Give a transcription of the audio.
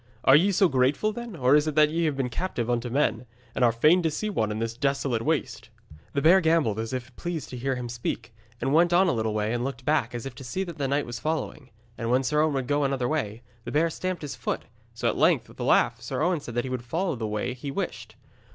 Are ye so grateful, then, or is it that ye have been captive unto men, and are fain to see one in this desolate waste?' The bear gambolled as if pleased to hear him speak, and went on a little way and looked back as if to see that the knight was following. And when Sir Owen would go another way, the bear stamped his foot, so that at length, with a laugh, Sir Owen said he would follow the way he wished.